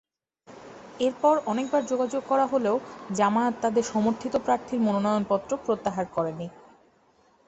এরপর অনেকবার যোগাযোগ করা হলেও জামায়াত তাদের সমর্থিত প্রার্থীর মনোনয়নপত্র প্রত্যাহার করেনি।